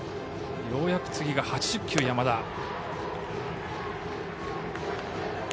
ようやく次が８０球の山田。